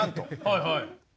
はいはい。